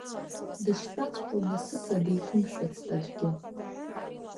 Дыштәаҵәҟьоу насыԥла деиқәымшәацт аӡәгьы.